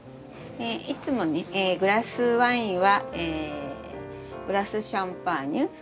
いつもねグラスワインはグラスシャンパーニュ